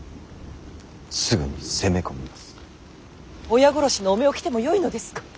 親殺しの汚名を着てもよいのですか。